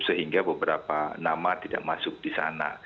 sehingga beberapa nama tidak masuk di sana